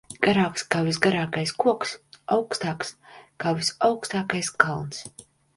Garāks kā visgarākais koks, augstāks kā visaugstākais kalns.